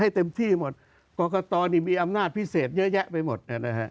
เต็มที่หมดกรกตนี่มีอำนาจพิเศษเยอะแยะไปหมด